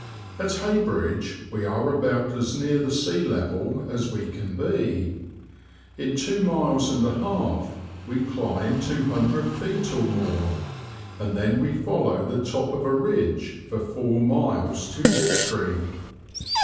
At Heybridge we are about as near the sea level as we can be. In two miles and a half we climb two hundred feet or more, and then we follow the top of a ridge for four miles to Tiptree.